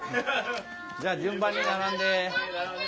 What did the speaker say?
じゃあ順番に並んで。